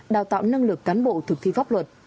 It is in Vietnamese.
đào tạo năng lực cán bộ thực thi pháp luật